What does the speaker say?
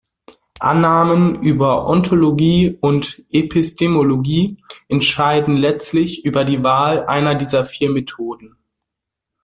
Annahmen über Ontologie und Epistemologie entscheiden letztlich über die Wahl einer dieser vier Methoden.